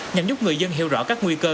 nhằm giúp người dân hiểu rõ các nguy cơ